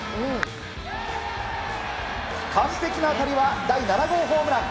完璧な当たりは第７号ホームラン。